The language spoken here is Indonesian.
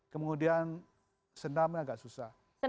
kemudian senamnya agak susah